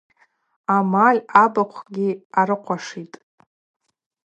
Амаль абыхъвгьи арыхъвашитӏ.